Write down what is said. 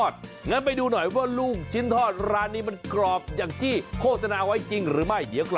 สบัตรทั่วไทย